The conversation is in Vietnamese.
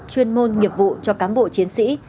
chuyên môn nghiệp vụ cho cán bộ chiến sĩ